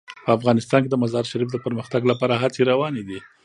په افغانستان کې د مزارشریف د پرمختګ لپاره هڅې روانې دي.